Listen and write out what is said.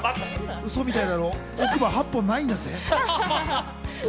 ウソみたいだろ、奥歯８本ないんだぜ。